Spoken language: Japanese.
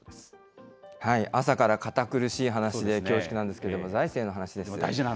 朝から堅苦しい話で恐縮なんですけれども、財政の話です。